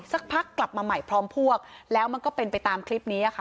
สักพักกลับมาใหม่พร้อมพวกแล้วมันก็เป็นไปตามคลิปนี้ค่ะ